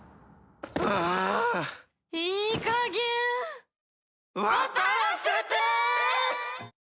いいかげん渡らせて！